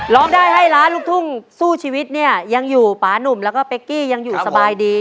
ร้องได้ให้ล้านลูกทุ่งสู้ชีวิตเนี่ยยังอยู่ป่านุ่มแล้วก็เป๊กกี้ยังอยู่สบายดี